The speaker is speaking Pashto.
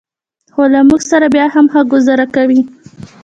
خو له موږ سره بیا هم ښه ګوزاره کوي.